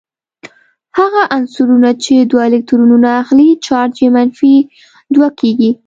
هغه عنصرونه چې دوه الکترونونه اخلې چارج یې منفي دوه کیږي.